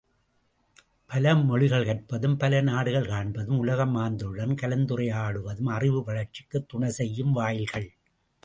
பல மொழிகள் கற்பதும் பல நாடுகள் காண்பதும் உலகமாந்தருடன் கலந்துறவாடுவதும் அறிவு வளர்ச்சிக்குத் துணை செய்யும் வாயில்கள்.